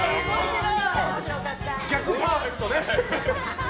逆パーフェクトね。